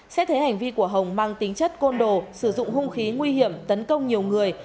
xét thấy hành vi của hồng mang tính chất côn đồ sử dụng hung khí nguy hiểm tấn công nhiều người